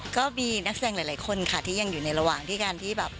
ก็มีนักแสดงหลายคนค่ะที่ยังอยู่ในระหว่างที่การที่แบบ